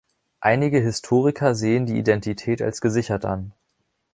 Einige Historiker sehen die Identität als gesichert an.